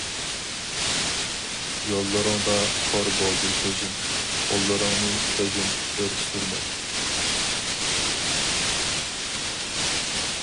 يوللىرىڭدا كور بولدى كۆزۈم، قوللىرىڭنى كۆزۈم بىر سۈرمەك.